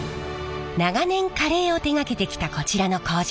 長年カレーを手がけてきたこちらの工場。